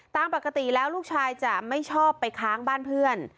ตามปกติแล้วลูกชายจะไม่ชอบไปค้างบ้านเพื่อน